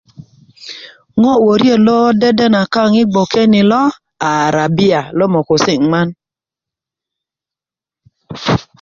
ŋo wöriet lo dedena kaŋ i bgwoke ni lo a arabia lo mökösi nŋwan